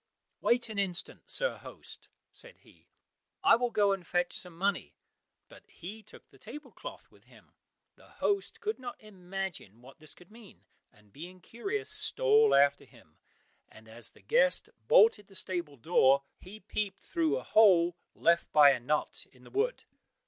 "Wait an instant, sir host," said he, "I will go and fetch some money;" but he took the table cloth with him. The host could not imagine what this could mean, and being curious, stole after him, and as the guest bolted the stable door, he peeped through a hole left by a knot in the wood.